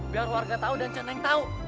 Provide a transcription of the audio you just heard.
biar warga tau dan centeng tau